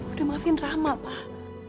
udah maafin rama pak